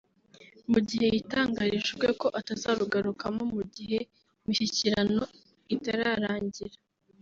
mu gihe yitangarije ubwe ko atazarugarukamo mu gihe imishyikirano itararangira